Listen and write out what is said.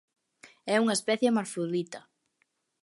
É unha especie hermafrodita.